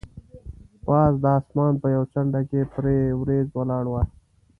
پاس د اسمان په یوه څنډه کې پرې وریځ ولاړه وه.